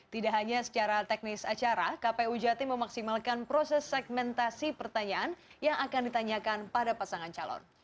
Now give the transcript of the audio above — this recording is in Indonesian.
tidak hanya secara teknis acara kpu jatim memaksimalkan proses segmentasi pertanyaan yang akan ditanyakan pada pasangan calon